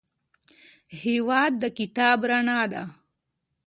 هېواد د کتاب رڼا ده.